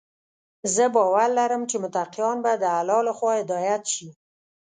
زه باور لرم چې متقیان به د الله لخوا هدايت شي.